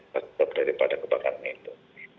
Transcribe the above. terutama dari pada kebakaran itu